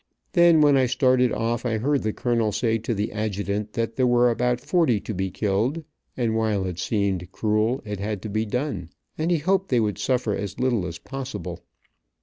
Then when I started off I heard the colonel say to the adjutant that there were about forty to be killed, and while it seemed cruel, it had to be done, and he hoped they would suffer as little as possible.